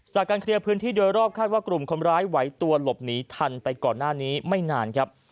จากการเคลียร์พื้นที่โดยรอบคาดว่ากลุ่มคนร้ายไหวตัวหลบหนีทันไปก่อนหน้านี้ไม่นานครับ